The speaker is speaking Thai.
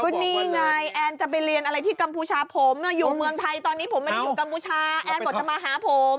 ก็นี่ไงแอนจะไปเรียนอะไรที่กัมพูชาผมอยู่เมืองไทยตอนนี้ผมไม่ได้อยู่กัมพูชาแอนบอกจะมาหาผม